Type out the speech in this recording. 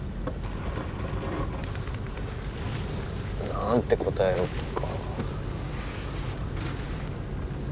なんて答えよっか。